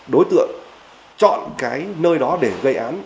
đối tượng chọn cái nơi đó để gây án